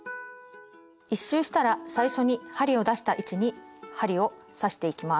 １周したら最初に針を出した位置に針を刺していきます。